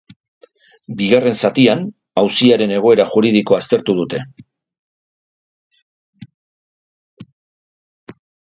Bigarren zatian, auziaren egoera juridikoa aztertu dute.